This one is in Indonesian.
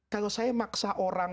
kalau saya maksa orang